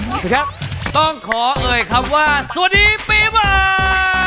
สวัสดีครับต้องขอเอ่ยคำว่าสวัสดีปีใหม่